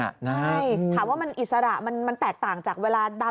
ใช่ถามว่ามันอิสระมันแตกต่างจากเวลาดำ